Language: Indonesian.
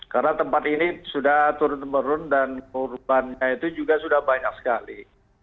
karena tempat ini sudah turun turun dan korbannya itu juga sudah banyak sekali